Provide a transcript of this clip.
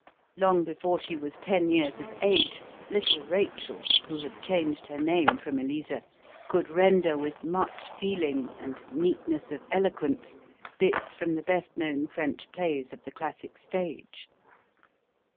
Long before she was ten years of age little Rachel who had changed her name from Elise could render with much feeling and neatness of eloquence bits from the best known French plays of the classic stage.